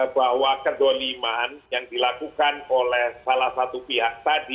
bahwa kedoliman yang dilakukan oleh salah satu pihak tadi